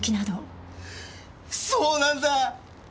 そうなんだ！